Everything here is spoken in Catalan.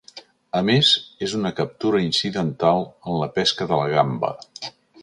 A més, és una captura incidental en la pesca de la gamba.